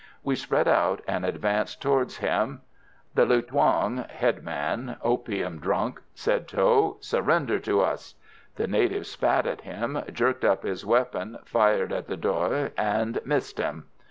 We spread out and advanced towards him. "The lu thuong! (headman). Opium drunk," said Tho. "Surrender to us!" The native spat at him, jerked up his weapon, fired at the Doy, and missed him.